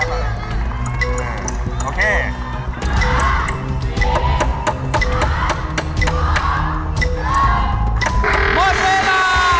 หมดเวลา